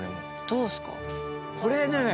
どうですか？